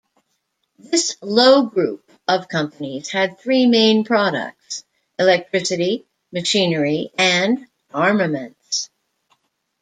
This 'Loewe Group' of companies had three main products: electricity, machinery, and armaments.